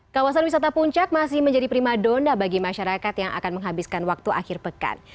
kawasan wisata puncak masih menjadi prima dona bagi masyarakat yang akan menghabiskan waktu akhir pekan